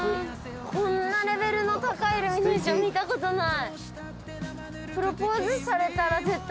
こんなレベルの高いイルミネーション見た事ない。